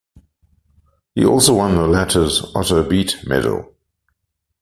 He also won the latter's Otto Beit Medal.